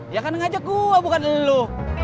dia kan ngajak gua bukan lu